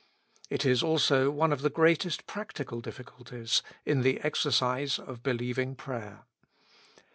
It is also one of the greatest practical difficulties in the exercise of believing prayer.